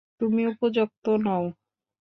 তুমি উপযুক্ত নও।